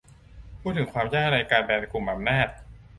พูดถึงความยากในการแบนกลุ่มอำนาจ